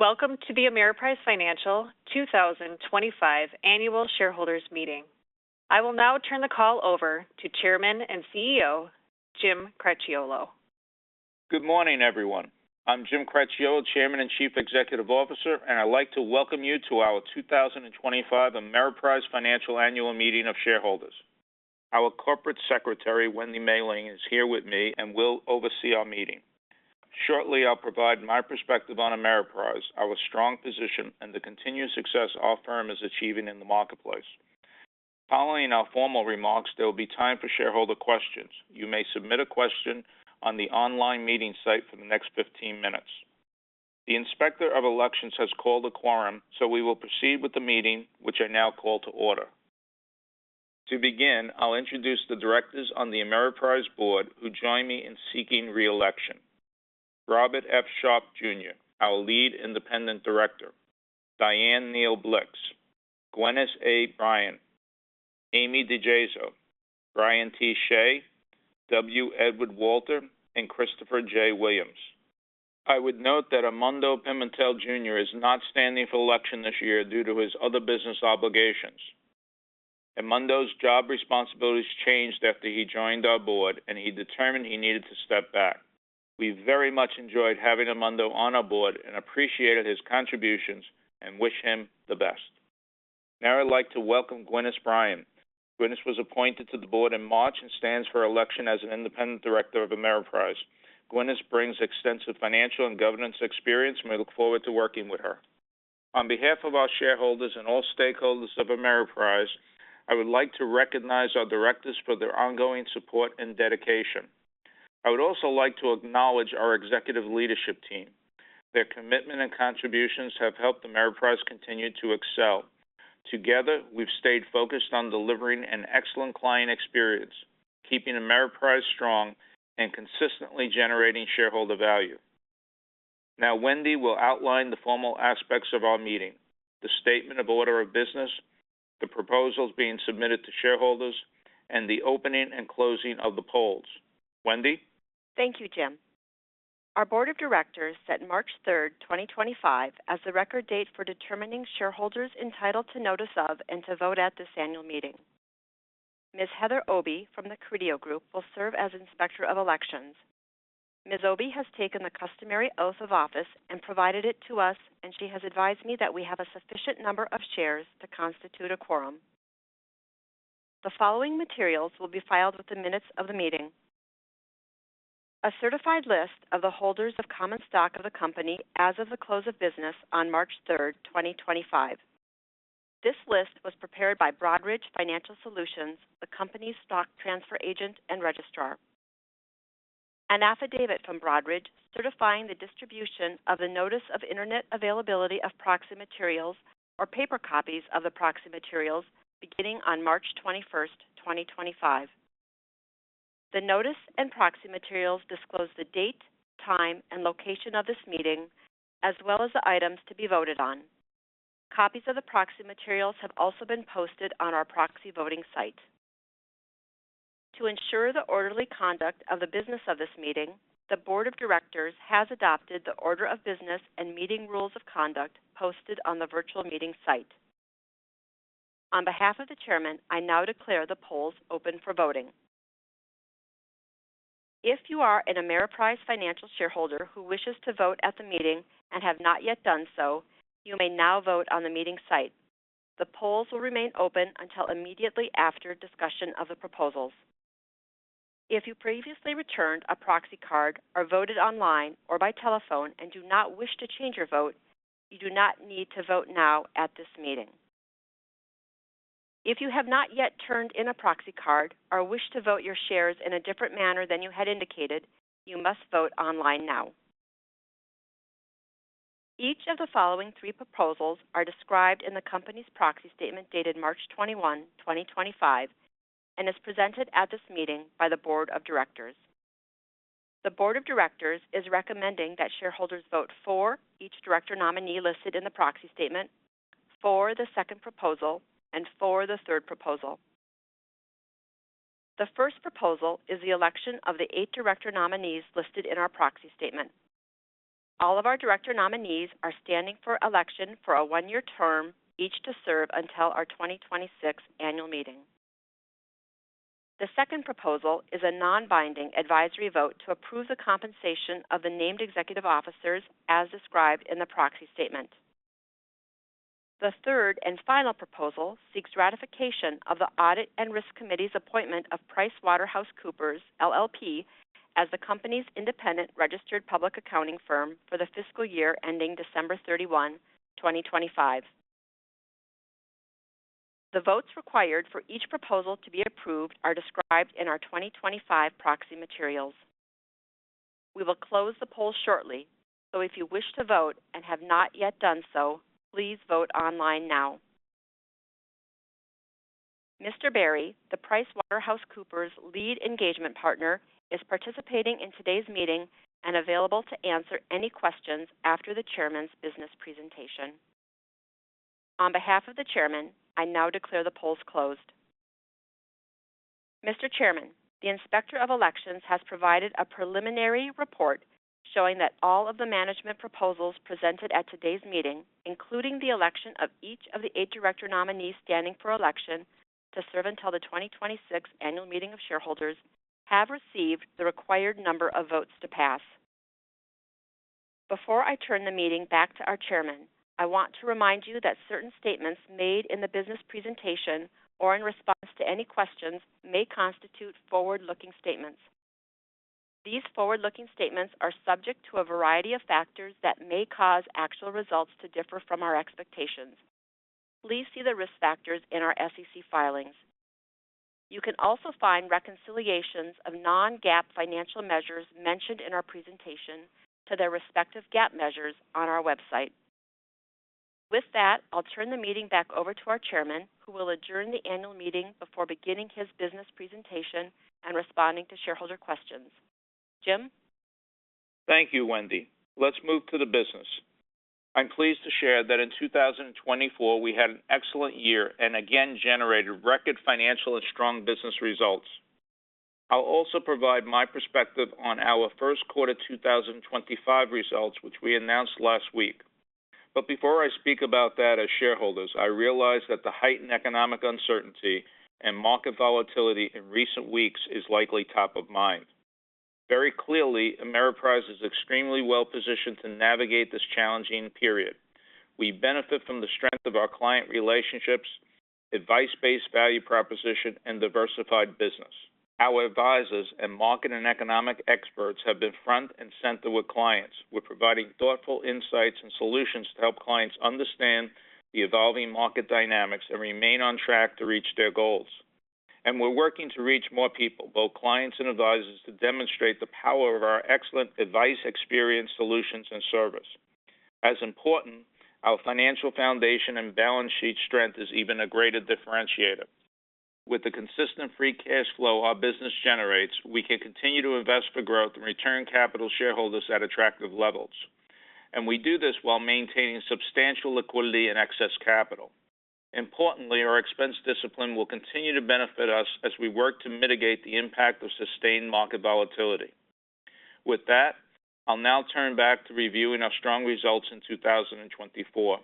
Welcome to the Ameriprise Financial 2025 Annual Shareholders Meeting. I will now turn the call over to Chairman and CEO Jim Cracchiolo. Good morning, everyone. I'm Jim Cracchiolo, Chairman and Chief Executive Officer, and I'd like to welcome you to our 2025 Ameriprise Financial Annual Meeting of Shareholders. Our Corporate Secretary, Wendy J. Mahling, is here with me and will oversee our meeting. Shortly, I'll provide my perspective on Ameriprise, our strong position, and the continued success our firm is achieving in the marketplace. Following our formal remarks, there will be time for shareholder questions. You may submit a question on the online meeting site for the next 15 minutes. The Inspector of Elections has called a quorum, so we will proceed with the meeting, which I now call to order. To begin, I'll introduce the directors on the Ameriprise board who join me in seeking re-election: Robert F. Sharpe, Jr., our lead independent director; Dianne Neal Blixt; Gwennace A. Bryan; Amy DiGeso; Brian T. Shea; W. Edward Walter; and Christopher J. Williams. I would note that Armando Pimentel, Jr., is not standing for election this year due to his other business obligations. Armando's job responsibilities changed after he joined our board, and he determined he needed to step back. We very much enjoyed having Armando on our board and appreciated his contributions and wish him the best. Now, I'd like to welcome Gwennace Bryan. Gwennace was appointed to the board in March and stands for election as an independent director of Ameriprise. Gwennace brings extensive financial and governance experience, and we look forward to working with her. On behalf of our shareholders and all stakeholders of Ameriprise, I would like to recognize our directors for their ongoing support and dedication. I would also like to acknowledge our executive leadership team. Their commitment and contributions have helped Ameriprise continue to excel. Together, we've stayed focused on delivering an excellent client experience, keeping Ameriprise strong, and consistently generating shareholder value. Now, Wendy will outline the formal aspects of our meeting: the statement of order of business, the proposals being submitted to shareholders, and the opening and closing of the polls. Wendy? Thank you, Jim. Our Board of Directors set March 3rd, 2025, as the record date for determining shareholders entitled to notice of and to vote at this annual meeting. Ms. Heather Obey from The Carideo Group will serve as Inspector of Elections. Ms. Obey has taken the customary oath of office and provided it to us, and she has advised me that we have a sufficient number of shares to constitute a quorum. The following materials will be filed with the minutes of the meeting: a certified list of the holders of common stock of the company as of the close of business on March 3rd, 2025. This list was prepared by Broadridge Financial Solutions, the company's stock transfer agent and registrar. An affidavit from Broadridge certifying the distribution of the Notice of Internet Availability of proxy materials or paper copies of the proxy materials beginning on March 21st, 2025. The notice and proxy materials disclose the date, time, and location of this meeting, as well as the items to be voted on. Copies of the proxy materials have also been posted on our proxy voting site. To ensure the orderly conduct of the business of this meeting, the Board of Directors has adopted the order of business and meeting rules of conduct posted on the virtual meeting site. On behalf of the Chairman, I now declare the polls open for voting. If you are an Ameriprise Financial shareholder who wishes to vote at the meeting and have not yet done so, you may now vote on the meeting site. The polls will remain open until immediately after discussion of the proposals. If you previously returned a proxy card or voted online or by telephone and do not wish to change your vote, you do not need to vote now at this meeting. If you have not yet turned in a proxy card or wish to vote your shares in a different manner than you had indicated, you must vote online now. Each of the following three proposals are described in the company's proxy statement dated March 21, 2025, and is presented at this meeting by the Board of Directors. The Board of Directors is recommending that shareholders vote for each director nominee listed in the proxy statement, for the second proposal, and for the third proposal. The first proposal is the election of the eight director nominees listed in our proxy statement. All of our director nominees are standing for election for a one-year term, each to serve until our 2026 annual meeting. The second proposal is a non-binding advisory vote to approve the compensation of the named executive officers as described in the proxy statement. The third and final proposal seeks ratification of the Audit and Risk Committee's appointment of PricewaterhouseCoopers LLP as the company's independent registered public accounting firm for the fiscal year ending December 31, 2025. The votes required for each proposal to be approved are described in our 2025 proxy materials. We will close the polls shortly, so if you wish to vote and have not yet done so, please vote online now. Mr. Berry, the PricewaterhouseCoopers lead engagement partner, is participating in today's meeting and available to answer any questions after the Chairman's business presentation. On behalf of the Chairman, I now declare the polls closed. Mr. Chairman, the Inspector of Elections has provided a preliminary report showing that all of the management proposals presented at today's meeting, including the election of each of the eight director nominees standing for election to serve until the 2026 annual meeting of shareholders, have received the required number of votes to pass. Before I turn the meeting back to our Chairman, I want to remind you that certain statements made in the business presentation or in response to any questions may constitute forward-looking statements. These forward-looking statements are subject to a variety of factors that may cause actual results to differ from our expectations. Please see the risk factors in our SEC filings. You can also find reconciliations of non-GAAP financial measures mentioned in our presentation to their respective GAAP measures on our website. With that, I'll turn the meeting back over to our Chairman, who will adjourn the annual meeting before beginning his business presentation and responding to shareholder questions. Jim? Thank you, Wendy. Let's move to the business. I'm pleased to share that in 2024 we had an excellent year and again generated record financial and strong business results. I'll also provide my perspective on our first quarter 2025 results, which we announced last week. But before I speak about that, as shareholders, I realize that the heightened economic uncertainty and market volatility in recent weeks is likely top of mind. Very clearly, Ameriprise is extremely well positioned to navigate this challenging period. We benefit from the strength of our client relationships, advice-based value proposition, and diversified business. Our advisors and market and economic experts have been front and center with clients. We're providing thoughtful insights and solutions to help clients understand the evolving market dynamics and remain on track to reach their goals. We're working to reach more people, both clients and advisors, to demonstrate the power of our excellent advice, experience, solutions, and service. As important, our financial foundation and balance sheet strength is even a greater differentiator. With the consistent free cash flow our business generates, we can continue to invest for growth and return capital shareholders at attractive levels. And we do this while maintaining substantial liquidity and excess capital. Importantly, our expense discipline will continue to benefit us as we work to mitigate the impact of sustained market volatility. With that, I'll now turn back to reviewing our strong results in 2024.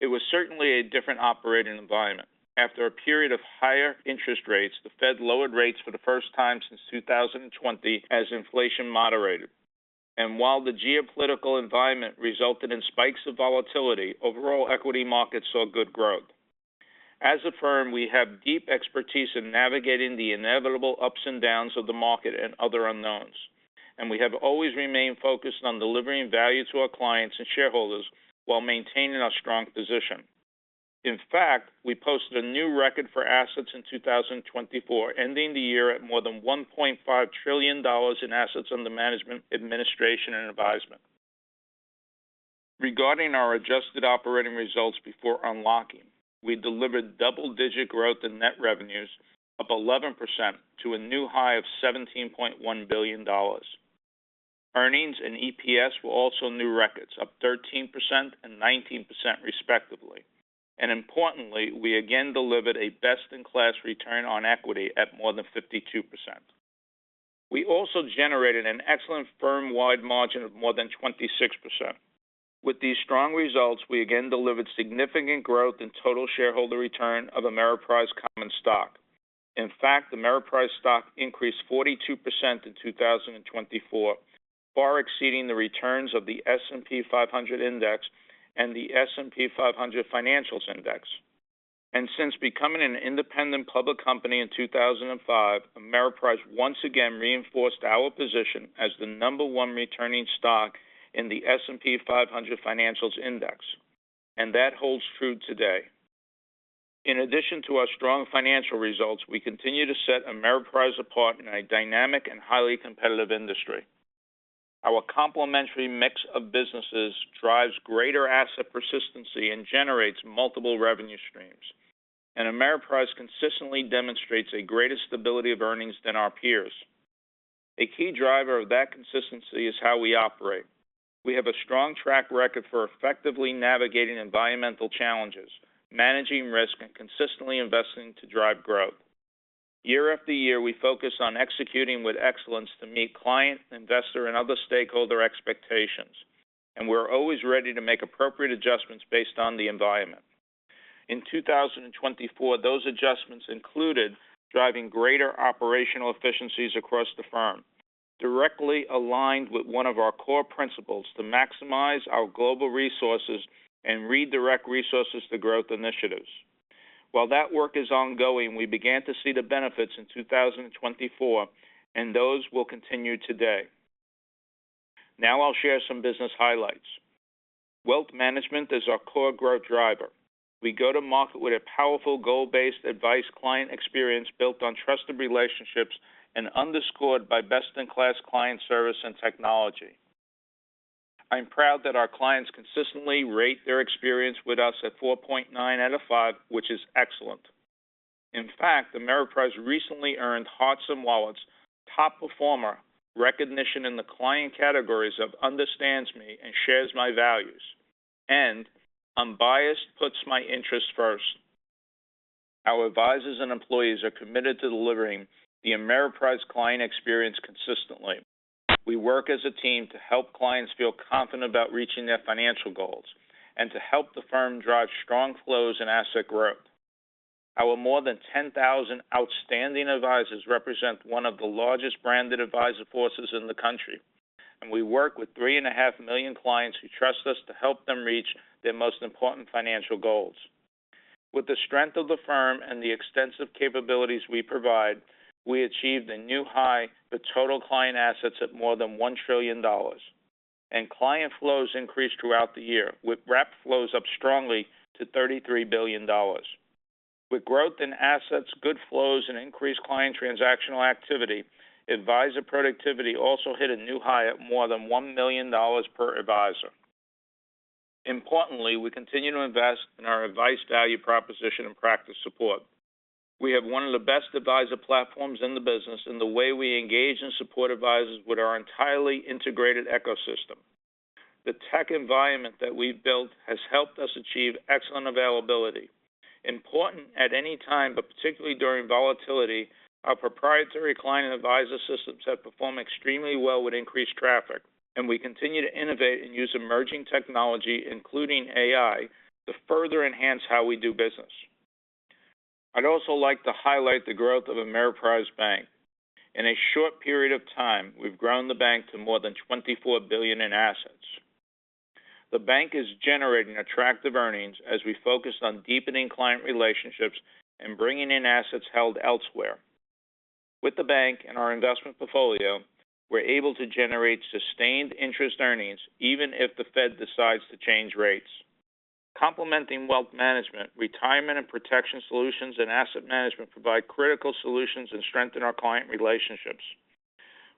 It was certainly a different operating environment. After a period of higher interest rates, the Fed lowered rates for the first time since 2020 as inflation moderated. While the geopolitical environment resulted in spikes of volatility, overall equity markets saw good growth. As a firm, we have deep expertise in navigating the inevitable ups and downs of the market and other unknowns. And we have always remained focused on delivering value to our clients and shareholders while maintaining our strong position. In fact, we posted a new record for assets in 2024, ending the year at more than $1.5 trillion in assets under management, administration, and advisement. Regarding our adjusted operating results before unlocking, we delivered double-digit growth in net revenues of 11% to a new high of $17.1 billion. Earnings and EPS were also new records, up 13% and 19% respectively. And importantly, we again delivered a best-in-class return on equity at more than 52%. We also generated an excellent firm-wide margin of more than 26%. With these strong results, we again delivered significant growth in total shareholder return of Ameriprise common stock. In fact, Ameriprise stock increased 42% in 2024, far exceeding the returns of the S&P 500 Index and the S&P 500 Financials Index. And since becoming an independent public company in 2005, Ameriprise once again reinforced our position as the number one returning stock in the S&P 500 Financials Index. And that holds true today. In addition to our strong financial results, we continue to set Ameriprise apart in a dynamic and highly competitive industry. Our complementary mix of businesses drives greater asset persistency and generates multiple revenue streams. And Ameriprise consistently demonstrates a greater stability of earnings than our peers. A key driver of that consistency is how we operate. We have a strong track record for effectively navigating environmental challenges, managing risk, and consistently investing to drive growth. Year-after-year, we focus on executing with excellence to meet client, investor, and other stakeholder expectations. And we're always ready to make appropriate adjustments based on the environment. In 2024, those adjustments included driving greater operational efficiencies across the firm, directly aligned with one of our core principles to maximize our global resources and redirect resources to growth initiatives. While that work is ongoing, we began to see the benefits in 2024, and those will continue today. Now I'll share some business highlights. Wealth management is our core growth driver. We go to market with a powerful goal-based advice client experience built on trusted relationships and underscored by best-in-class client service and technology. I'm proud that our clients consistently rate their experience with us at 4.9 out of 5, which is excellent. In fact, Ameriprise recently earned Hearts & Wallets Top Performer recognition in the client categories of "Understands me" and "Shares my values," and "Unbiased puts my interests first." Our advisors and employees are committed to delivering the Ameriprise client experience consistently. We work as a team to help clients feel confident about reaching their financial goals and to help the firm drive strong flows and asset growth. Our more than 10,000 outstanding advisors represent one of the largest branded advisor forces in the country, and we work with 3.5 million clients who trust us to help them reach their most important financial goals. With the strength of the firm and the extensive capabilities we provide, we achieved a new high for total client assets at more than $1 trillion, and client flows increased throughout the year, with rep flows up strongly to $33 billion. With growth in assets, good flows, and increased client transactional activity, advisor productivity also hit a new high at more than $1 million per advisor. Importantly, we continue to invest in our advice value proposition and practice support. We have one of the best advisor platforms in the business in the way we engage and support advisors with our entirely integrated ecosystem. The tech environment that we've built has helped us achieve excellent availability. Important at any time, but particularly during volatility, our proprietary client advisor systems have performed extremely well with increased traffic, and we continue to innovate and use emerging technology, including AI, to further enhance how we do business. I'd also like to highlight the growth of Ameriprise Bank. In a short period of time, we've grown the bank to more than $24 billion in assets. The bank is generating attractive earnings as we focus on deepening client relationships and bringing in assets held elsewhere. With the bank and our investment portfolio, we're able to generate sustained interest earnings even if the Fed decides to change rates. Complementing wealth management, retirement and protection solutions, and asset management provide critical solutions and strengthen our client relationships.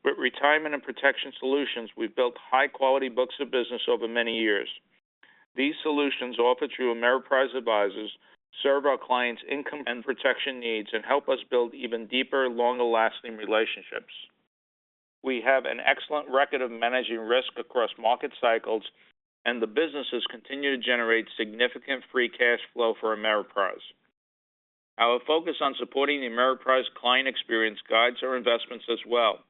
With retirement and protection solutions, we've built high-quality books of business over many years. These solutions offered through Ameriprise advisors serve our clients' income and protection needs and help us build even deeper, longer-lasting relationships. We have an excellent record of managing risk across market cycles, and the businesses continue to generate significant free cash flow for Ameriprise. Our focus on supporting the Ameriprise client experience guides our investments as well,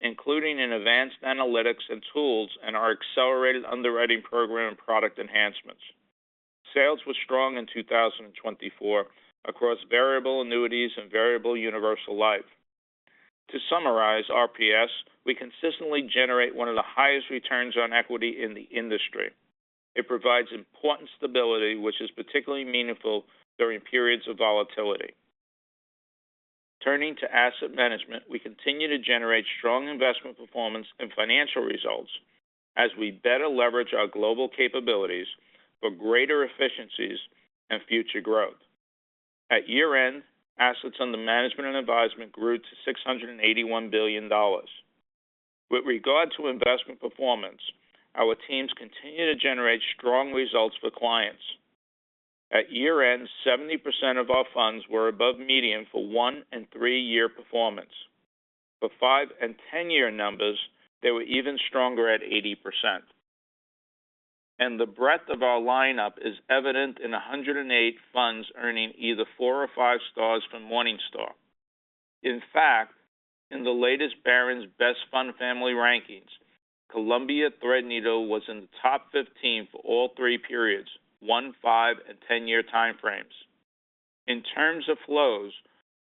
including advanced analytics and tools and our accelerated underwriting program and product enhancements. Sales were strong in 2024 across variable annuities and variable universal life. To summarize our PS, we consistently generate one of the highest return on equity in the industry. It provides important stability, which is particularly meaningful during periods of volatility. Turning to asset management, we continue to generate strong investment performance and financial results as we better leverage our global capabilities for greater efficiencies and future growth. At year-end, assets under management and advisement grew to $681 billion. With regard to investment performance, our teams continue to generate strong results for clients. At year-end, 70% of our funds were above median for one- and three-year performance. For five- and ten-year numbers, they were even stronger at 80%. And the breadth of our lineup is evident in 108 funds earning either four or five stars from Morningstar. In fact, in the latest Barron's Best Fund Family rankings, Columbia Threadneedle was in the top 15 for all three periods, one, five, and 10-year time frames. In terms of flows,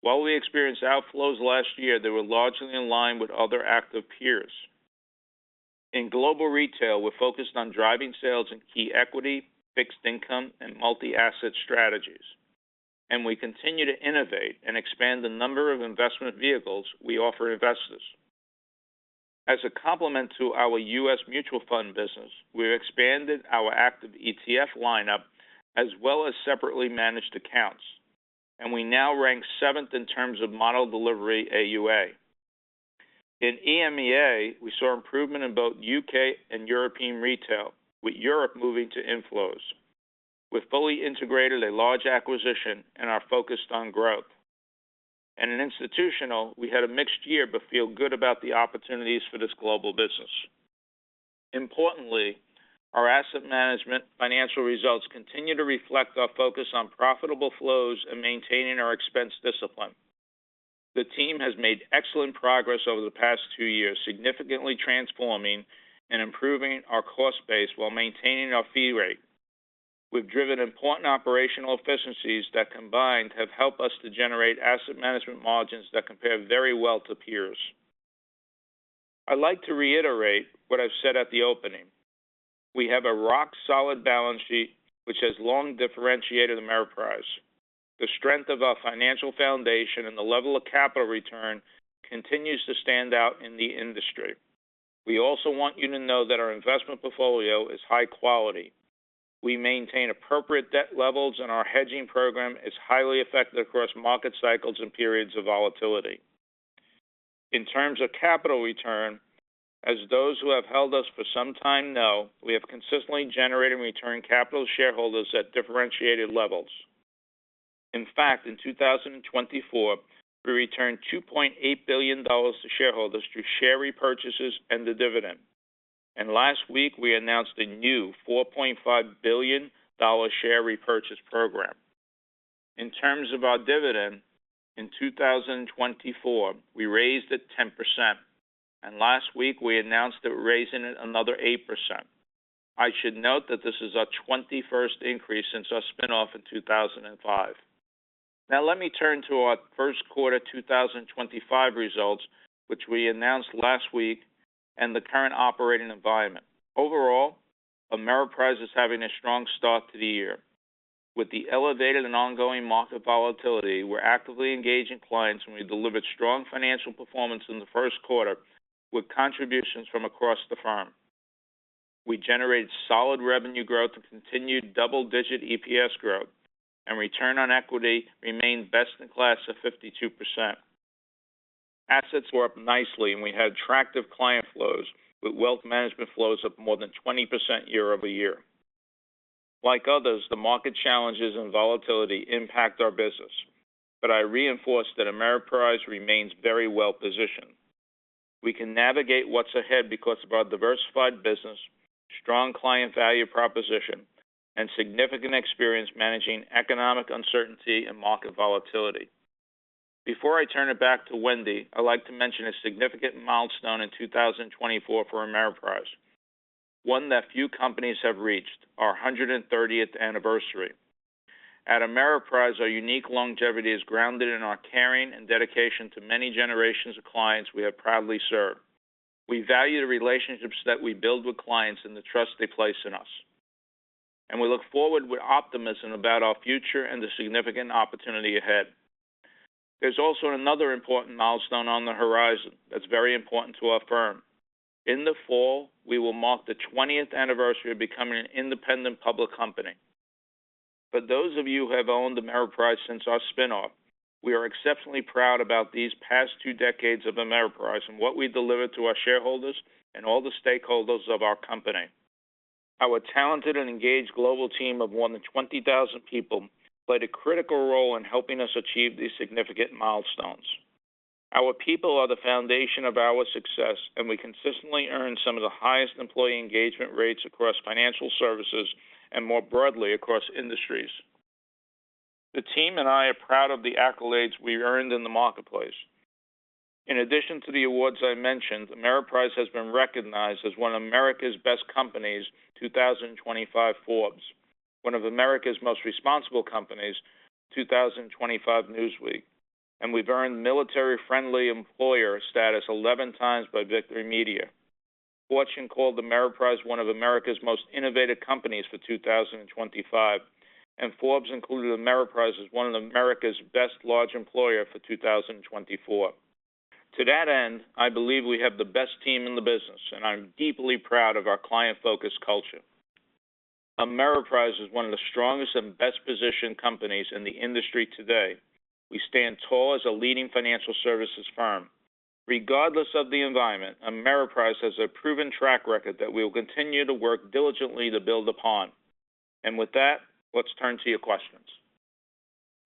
while we experienced outflows last year, they were largely in line with other active peers. In global retail, we're focused on driving sales in key equity, fixed income, and multi-asset strategies. And we continue to innovate and expand the number of investment vehicles we offer investors. As a complement to our U.S. mutual fund business, we've expanded our active ETF lineup as well as separately managed accounts. And we now rank seventh in terms of model delivery AUA. In EMEA, we saw improvement in both U.K. and European retail, with Europe moving to inflows. We've fully integrated a large acquisition and are focused on growth. And in institutional, we had a mixed year but feel good about the opportunities for this global business. Importantly, our asset management financial results continue to reflect our focus on profitable flows and maintaining our expense discipline. The team has made excellent progress over the past two years, significantly transforming and improving our cost base while maintaining our fee rate. We've driven important operational efficiencies that combined have helped us to generate asset management margins that compare very well to peers. I'd like to reiterate what I've said at the opening. We have a rock-solid balance sheet, which has long differentiated Ameriprise. The strength of our financial foundation and the level of capital return continues to stand out in the industry. We also want you to know that our investment portfolio is high quality. We maintain appropriate debt levels, and our hedging program is highly effective across market cycles and periods of volatility. In terms of capital return, as those who have held us for some time know, we have consistently generated return capital to shareholders at differentiated levels. In fact, in 2024, we returned $2.8 billion to shareholders through share repurchases and the dividend, and last week, we announced a new $4.5 billion share repurchase program. In terms of our dividend, in 2024, we raised it 10%, and last week, we announced that we're raising it another 8%. I should note that this is our 21st increase since our spinoff in 2005. Now let me turn to our first quarter 2025 results, which we announced last week, and the current operating environment. Overall, Ameriprise is having a strong start to the year. With the elevated and ongoing market volatility, we're actively engaging clients, and we delivered strong financial performance in the first quarter with contributions from across the firm. We generated solid revenue growth and continued double-digit EPS growth and return on equity remained best-in-class at 52%. Assets were up nicely, and we had attractive client flows, with wealth management flows up more than 20% year-over-year. Like others, the market challenges and volatility impact our business, but I reinforce that Ameriprise remains very well-positioned. We can navigate what's ahead because of our diversified business, strong client value proposition, and significant experience managing economic uncertainty and market volatility. Before I turn it back to Wendy, I'd like to mention a significant milestone in 2024 for Ameriprise, one that few companies have reached, our 130th anniversary. At Ameriprise, our unique longevity is grounded in our caring and dedication to many generations of clients we have proudly served. We value the relationships that we build with clients and the trust they place in us. And we look forward with optimism about our future and the significant opportunity ahead. There's also another important milestone on the horizon that's very important to our firm. In the fall, we will mark the 20th anniversary of becoming an independent public company. For those of you who have owned Ameriprise since our spinoff, we are exceptionally proud about these past two decades of Ameriprise and what we delivered to our shareholders and all the stakeholders of our company. Our talented and engaged global team of more than 20,000 people played a critical role in helping us achieve these significant milestones. Our people are the foundation of our success, and we consistently earn some of the highest employee engagement rates across financial services and more broadly across industries. The team and I are proud of the accolades we earned in the marketplace. In addition to the awards I mentioned, Ameriprise has been recognized as one of America's Best Companies, 2025, Forbes, one of America's Most Responsible Companies, 2025, Newsweek, and we've earned military-friendly employer status 11 times by Victory Media. Fortune called Ameriprise one of America's Most Innovative Companies for 2025, and Forbes included Ameriprise as one of America's Best Large Employers for 2024. To that end, I believe we have the best team in the business, and I'm deeply proud of our client-focused culture. Ameriprise is one of the strongest and best-positioned companies in the industry today. We stand tall as a leading financial services firm. Regardless of the environment, Ameriprise has a proven track record that we will continue to work diligently to build upon. And with that, let's turn to your questions.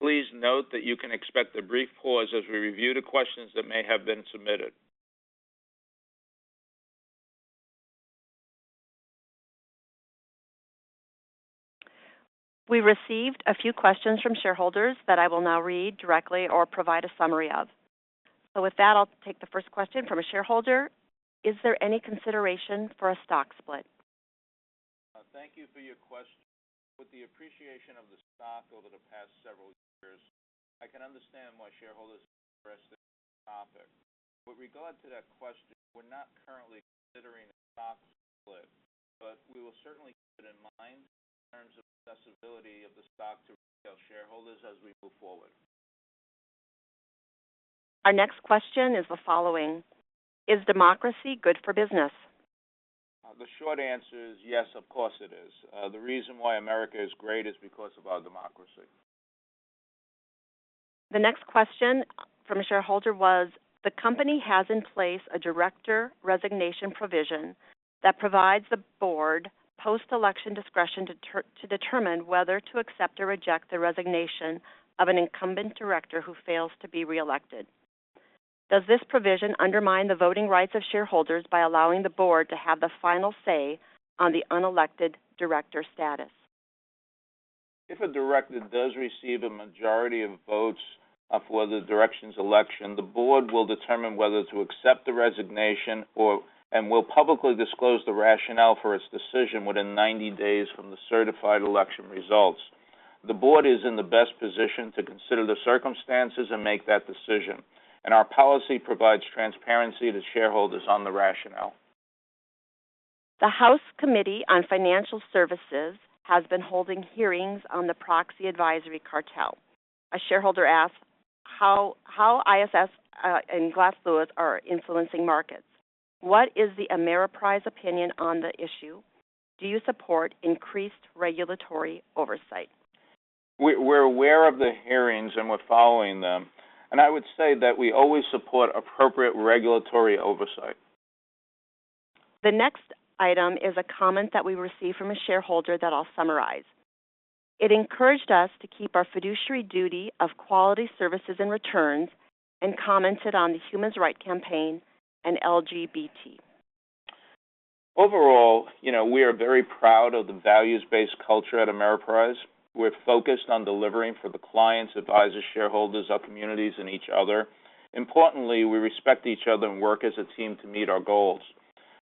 Please note that you can expect a brief pause as we review the questions that may have been submitted. We received a few questions from shareholders that I will now read directly or provide a summary of. So with that, I'll take the first question from a shareholder. Is there any consideration for a stock split? Thank you for your question. With the appreciation of the stock over the past several years, I can understand why shareholders are interested in the topic. With regard to that question, we're not currently considering a stock split, but we will certainly keep it in mind in terms of accessibility of the stock to retail shareholders as we move forward. Our next question is the following. Is democracy good for business? The short answer is yes, of course it is. The reason why America is great is because of our democracy. The next question from a shareholder was, the company has in place a director resignation provision that provides the board post-election discretion to determine whether to accept or reject the resignation of an incumbent director who fails to be re-elected. Does this provision undermine the voting rights of shareholders by allowing the board to have the final say on the unelected director status? If a director does receive a majority of votes for the director's election, the board will determine whether to accept the resignation and will publicly disclose the rationale for its decision within 90 days from the certified election results. The board is in the best position to consider the circumstances and make that decision, and our policy provides transparency to shareholders on the rationale. The House Committee on Financial Services has been holding hearings on the proxy advisory cartel. A shareholder asked how ISS and Glass Lewis are influencing markets. What is the Ameriprise opinion on the issue? Do you support increased regulatory oversight? We're aware of the hearings, and we're following them, and I would say that we always support appropriate regulatory oversight. The next item is a comment that we received from a shareholder that I'll summarize. It encouraged us to keep our fiduciary duty of quality services and returns and commented on the Human Rights Campaign and LGBT. Overall, we are very proud of the values-based culture at Ameriprise. We're focused on delivering for the clients, advisors, shareholders, our communities, and each other. Importantly, we respect each other and work as a team to meet our goals.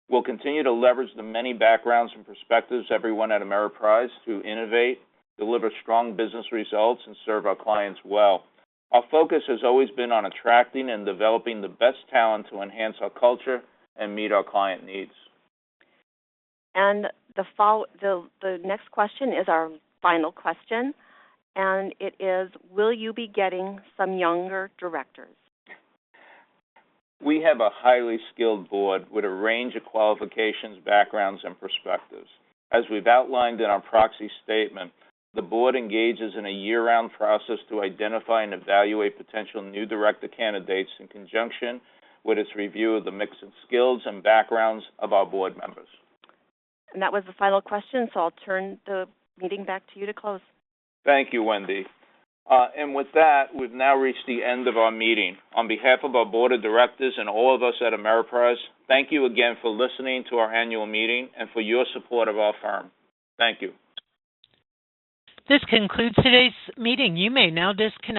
We'll continue to leverage the many backgrounds and perspectives of everyone at Ameriprise to innovate, deliver strong business results, and serve our clients well. Our focus has always been on attracting and developing the best talent to enhance our culture and meet our client needs. The next question is our final question. It is, will you be getting some younger directors? We have a highly skilled board with a range of qualifications, backgrounds, and perspectives. As we've outlined in our proxy statement, the board engages in a year-round process to identify and evaluate potential new director candidates in conjunction with its review of the mix of skills and backgrounds of our board members. That was the final question. I'll turn the meeting back to you to close. Thank you, Wendy. And with that, we've now reached the end of our meeting. On behalf of our board of directors and all of us at Ameriprise, thank you again for listening to our annual meeting and for your support of our firm. Thank you. This concludes today's meeting. You may now disconnect.